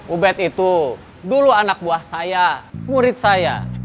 ubed itu dulu anak buah saya murid saya